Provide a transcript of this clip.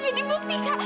cincin kak fadil mana